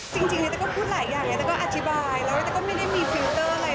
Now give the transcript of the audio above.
จริงริต้าก็พูดหลายอย่างริต้าก็อธิบายริต้าก็ไม่ได้มีฟิลเตอร์อะไร